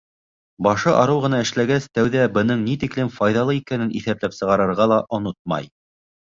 Башы арыу ғына эшләгәс, тәүҙә бының ни тиклем файҙалы икәнен иҫәпләп сығарырға ла онотмай.